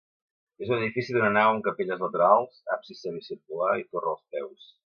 És un edifici d'una nau amb capelles laterals, absis semicircular i torre als peus.